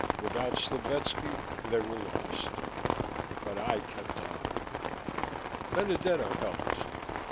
Without Slovetski, they were lost. But I kept on. Benedetto helped.